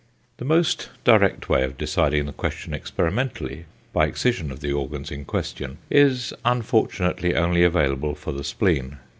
The most direct way of deciding the question experimentally by excision of the organs in question, is unfortunately only available for the spleen.